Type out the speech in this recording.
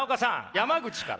山口から！